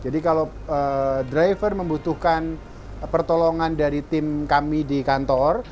jadi kalau driver membutuhkan pertolongan dari tim kami di kantor